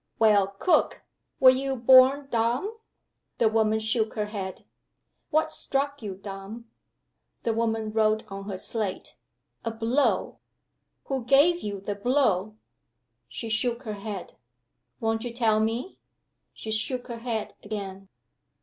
"Well, cook, were you born dumb?" The woman shook her head. "What struck you dumb?" The woman wrote on her slate: "A blow." "Who gave you the blow?" She shook her head. "Won't you tell me?" She shook her head again.